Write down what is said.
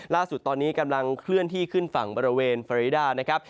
ล่าสุดตอนนี้กำลังเคลื่อนที่ขึ้นฝั่งบริเวณเฟอริดานะครับ